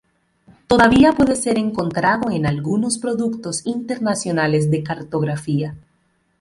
Todavía puede ser encontrado en algunos productos internacionales de cartografía.